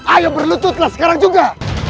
ayo berlututlah sekarang juga